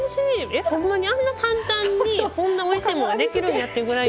えっほんまにあんなに簡単にこんなおいしいもんができるんやっていうぐらい。